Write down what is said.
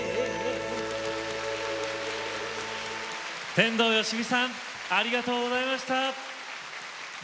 天童よしみさんありがとうございました。